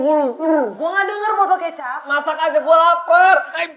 enggak denger masak aja gua lapar